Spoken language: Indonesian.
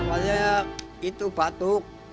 apanya itu batuk